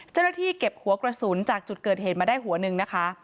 เจ้าหน้าที่เก็บหัวกระสุนจากจุดเกิดเหตุมาได้หัวหนึ่งนะคะ